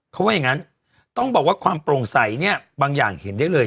เขาว่าอย่างนั้นต้องบอกว่าความโปร่งใสเนี่ยบางอย่างเห็นได้เลย